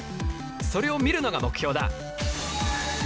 それを見るのが目標だ。